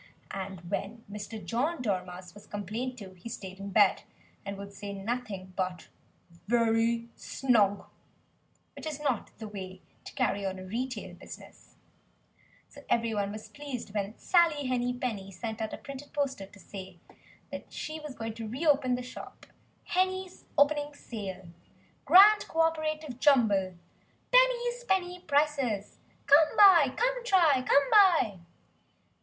And when Mr. John Dormouse was complained to, he stayed in bed, and would say nothing but "very snug;" which is not the way to carry on a retail business. So everybody was pleased when Sally Henny Penny sent out a printed poster to say that she was going to re open the shop "Henny's Opening Sale! Grand co operative Jumble! Penny's penny prices! Come buy, come try, come buy!"